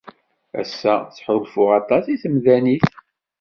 Ass-a, ttḥulfuɣ aṭas i temdanit.